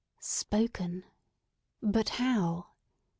Spoken! But how?